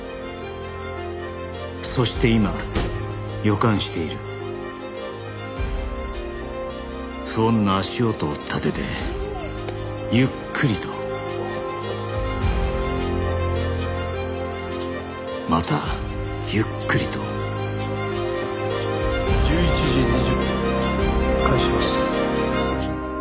「そして今予感している」「不穏な足音を立ててゆっくりと」「またゆっくりと」１１時２０分開始します。